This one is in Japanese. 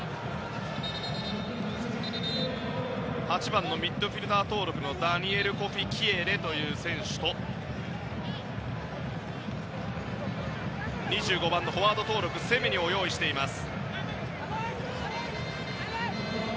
８番のミッドフィールダー登録のダニエル・コフィ・キエレと２５番のフォワード登録セメニョを用意しています。